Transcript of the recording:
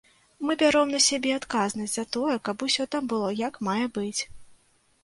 Мы бяром на сябе адказнасць за тое, каб усё там было як мае быць.